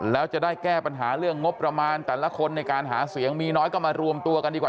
แล้วจะได้แก้ปัญหาเรื่องงบประมาณแต่ละคนในการหาเสียงมีน้อยก็มารวมตัวกันดีกว่า